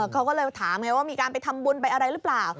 เขาก็เลยถามไงว่ามีการไปทำบุญไปอะไรหรือเปล่า